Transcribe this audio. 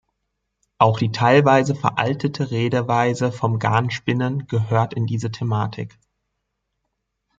Auch die teilweise veraltete Redeweise vom Garn spinnen gehört in diese Thematik.